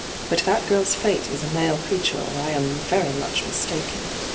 ' But that girl's fate is a male creature, or I am very much mistaken.